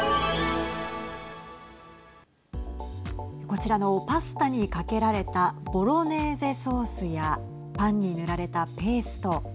こちらのパスタにかけられたボロネーゼソースやパンに塗られたペースト。